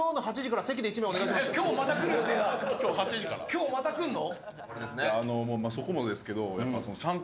今日また来るの？